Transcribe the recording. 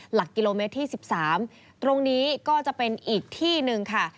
หลักกิโลเมตรที่๑๓ตรงนี้ก็จะเป็นอีกที่หนึ่งค่ะ